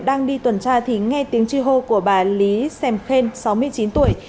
đang đi tuần tra thì nghe tiếng chi hô của bà lý xem sáu mươi chín tuổi